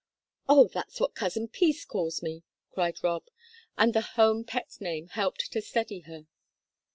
"Oh, that's what Cousin Peace calls me!" cried Rob. And the home pet name helped to steady her.